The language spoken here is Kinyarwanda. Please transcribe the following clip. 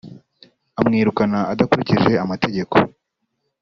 amwirukana adakurikije amategeko